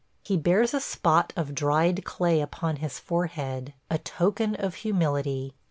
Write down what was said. He bears a spot of dried clay upon his forehead – a token of humility.